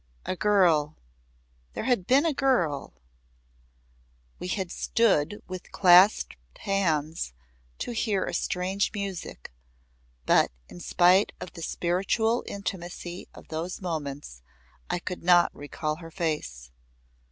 A girl there had been a girl we had stood with clasped hands to hear a strange music, but in spite of the spiritual intimacy of those moments I could not recall her face.